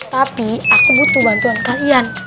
tapi aku butuh bantuan kalian